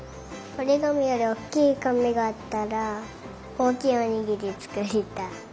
おりがみよりおおきいかみがあったらおおきいおにぎりつくりたい。